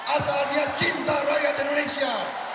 asal dia cinta rakyat indonesia